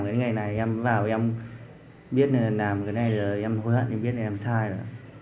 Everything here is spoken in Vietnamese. cái ngày này em vào em biết là làm cái này rồi em hối hận em biết là làm sai rồi